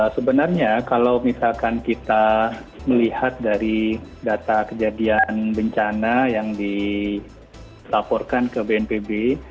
sebenarnya kalau misalkan kita melihat dari data kejadian bencana yang dilaporkan ke bnpb